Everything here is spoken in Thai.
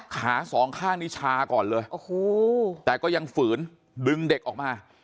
สองข้างนี้ชาก่อนเลยโอ้โหแต่ก็ยังฝืนดึงเด็กออกมา